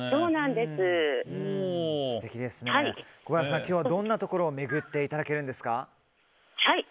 小林さん、今日はどんなところを巡っていただけるんですか。